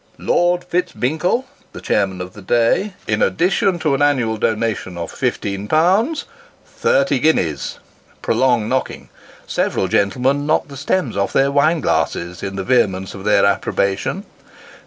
Lord Fitz Binkle, the chairman of the day, in addition to an annual donation of fifteen pounds thirty guineas [prolonged knocking: several gentlemen knock the stems off their wine glasses, in the vehemence of their approbation].